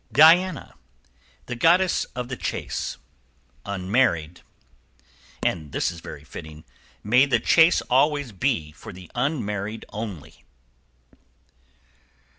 =DIANA. The goddess of the chase; unmarried. =And this is very fitting. May the chase always be for the unmarried only!